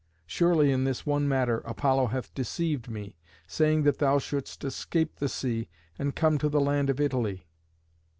Surely, in this one matter, Apollo hath deceived me, saying that thou shouldst escape the sea and come to the land of Italy."